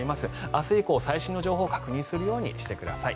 明日以降最新の情報を確認するようにしてください。